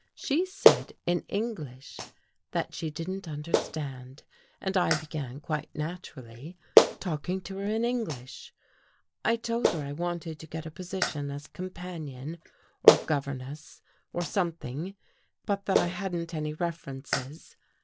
She said, in English, that she didn't understand, and I began, quite naturally, talking to her in English. I told her I wanted to get a position as companion or governess or something, but that I hadn't any references.